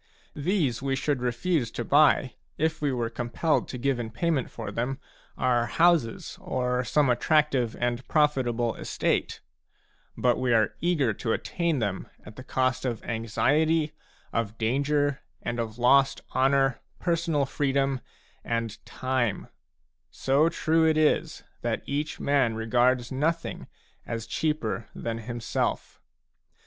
These we should refuse to buy, if we were compelled to give in pay ment for them our houses or some attractive and profitable estate ; but we are eager to attain them at the cost of anxiety, of danger, and of lost honour, personal freedom, and time ; so true it is that each man regards nothing as cheaper than himself.